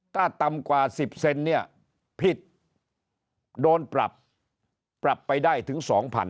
ถ้าต่ำกว่า๑๐เซนเนี่ยผิดโดนปรับปรับไปได้ถึง๒๐๐๐